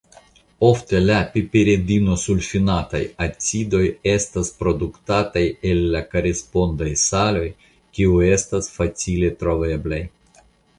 Ofte la piperidinosulfinataj acidoj estas produktataj el la korespondaj saloj kiuj estas facile troveblaj.